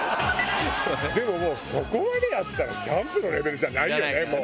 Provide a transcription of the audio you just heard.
でももうそこまでやったらキャンプのレベルじゃないよね。